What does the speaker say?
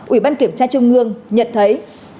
ủy ban kiểm tra chung ngương nhận thấy